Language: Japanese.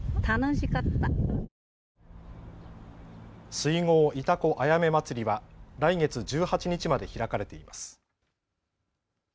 水郷潮来あやめまつりは来月１８日まで開かれています。